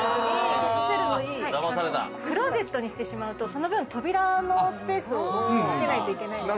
クローゼットにしてしまうと、その分、扉のスペースをつけないといけない。